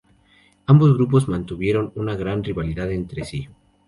Ambos grupos mantuvieron una gran rivalidad entre sí.